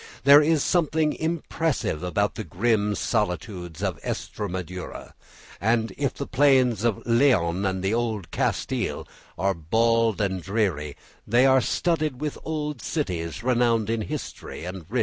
There is something impressive about the grim solitudes of Estremadura; and if the plains of Leon and Old Castile are bald and dreary, they are studded with old cities renowned in history and rich in relics of the past.